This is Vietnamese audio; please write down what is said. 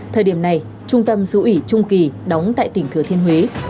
thời điểm này trung tâm sứ ủy trung kỳ đóng tại tỉnh thừa thiên huế